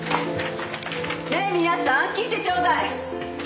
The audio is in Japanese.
ねえ皆さん聞いてちょうだい。